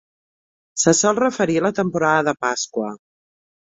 Se sol referir a la temporada de Pasqua.